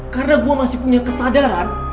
karena gue masih punya kesadaran